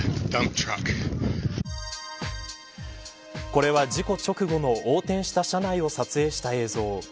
これは事故直後の横転した車内を撮影した映像。